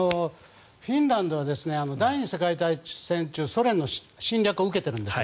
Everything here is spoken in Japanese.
フィンランドは第２次世界大戦中ソ連の侵略を受けているんです。